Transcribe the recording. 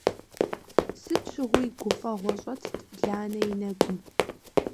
Сыт щыгъуи гуфӀэгъуэ щӀэтт Ланэ и нэгум.